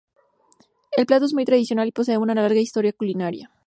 El plato es muy tradicional y posee una larga historia culinaria.